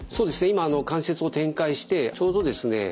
今関節を展開してちょうどですね